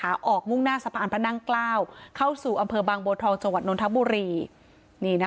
แล้วออกมุ่งหน้าสระอันพนักเกล้าเข้าสู่อำเภอบางโบทองจนนท์ธับบุรี